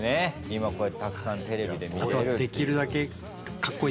今こうやってたくさんテレビで見れるっていう。